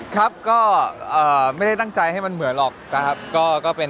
ครับก็ไม่ได้ตั้งใจให้มันเหมือนหรอกนะครับ